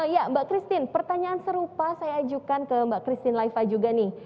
ya mbak christine pertanyaan serupa saya ajukan ke mbak christine laiva juga nih